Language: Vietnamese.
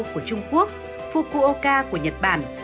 của trung quốc fukuoka của nhật bản